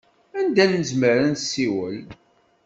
Anda i nezmer ad nsiwel?